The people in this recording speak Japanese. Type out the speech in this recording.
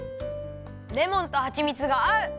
レモンとはちみつがあう！